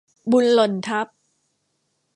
บุญหล่นทับ